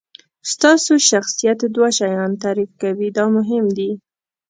ستاسو شخصیت دوه شیان تعریف کوي دا مهم دي.